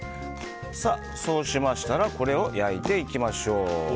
そうしましたらこれを焼いていきましょう。